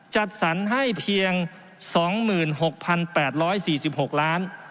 จัดสรรให้เพียง๒๖๘๔๖ล้าน